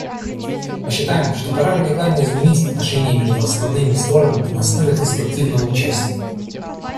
Мы считаем, что пора радикально изменить отношения между основными сторонами на основе конструктивного участия.